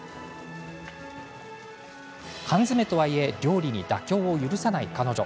缶詰とはいえ料理に妥協を許さない彼女。